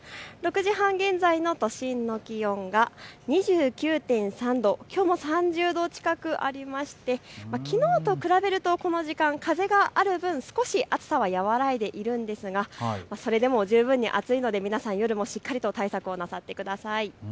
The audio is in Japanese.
６時半現在の都心の気温が２９．３度、きょうも３０度近くありましてきのうと比べるとこの時間、風がある分、少し暑さは和らいでいるんですが、それでも十分に暑いので皆さん、夜もしっかりと対策をなさってください。